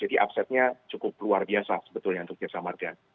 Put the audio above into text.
jadi upsetnya cukup luar biasa sebetulnya untuk jasa marga